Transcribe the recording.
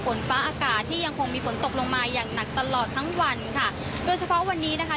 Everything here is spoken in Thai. ฝนฟ้าอากาศที่ยังคงมีฝนตกลงมาอย่างหนักตลอดทั้งวันค่ะโดยเฉพาะวันนี้นะคะ